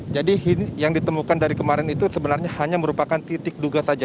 jadi yang ditemukan dari kemarin itu sebenarnya hanya merupakan titik duga saja